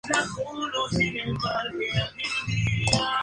Al final Pei gana el puesto de secretaria y Lin el de asistente.